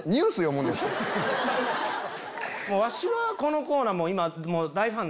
わしはこのコーナー今。